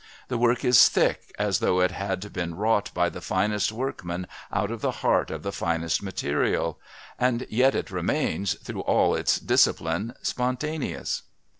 The work is thick, as though it had been wrought by the finest workman out of the heart of the finest material and yet it remains, through all its discipline, spontaneous.